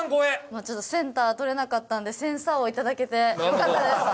まあちょっとセンター取れなかったんでセンサー王は頂けてよかったです。